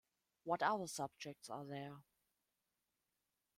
What other subjects are there?